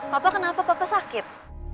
bapak kenapa bapak sakit